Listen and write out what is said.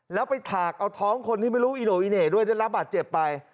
แล้วไปถากเอาท้องคนที่ไม่รู้อีโนอิเน่ด้วยได้รับบาดเจ็บไป